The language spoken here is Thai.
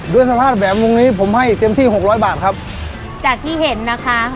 ด้วยสภาพแบบวงนี้ผมให้เต็มที่หกร้อยบาทครับจากที่เห็นนะคะ